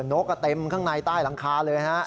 นกก็เต็มข้างในใต้หลังคาเลยฮะ